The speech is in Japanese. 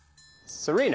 すごいな。